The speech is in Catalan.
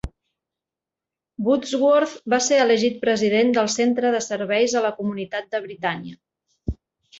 Woodsworth va ser elegit president del centre de serveis a la comunitat de Britannia.